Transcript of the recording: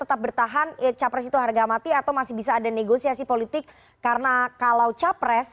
tetap bertahan capres itu harga mati atau masih bisa ada negosiasi politik karena kalau capres